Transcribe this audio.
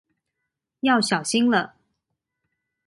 要小心了